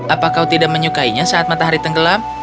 apa kau tidak menyukainya saat matahari tenggelam